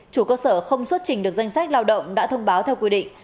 chủ cơ sở không xuất trình được danh sách lao động đã thông báo theo quy định